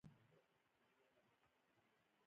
دا توازن د انساني پوهې موخه ده.